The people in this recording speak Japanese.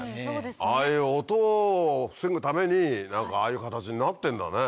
ああいう音を防ぐために何かああいう形になってんだね。